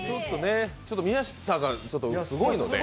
宮下がすごいので。